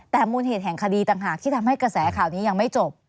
แต่มูลเหตุแห่งคดีต่างหากที่ทำให้กระแสข่าวนี้ยังไม่จบ